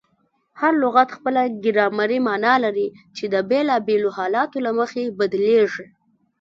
هر لغت خپله ګرامري مانا لري، چي د بېلابېلو حالتو له مخي بدلیږي.